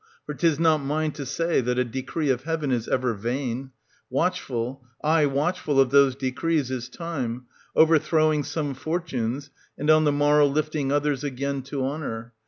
For 'tis not mine to say that a decree of Heaven is ever vain : watchful, aye watchful of those decrees is Time, overthrowing some fortunes, and on the morrow lifting others, again, to honour.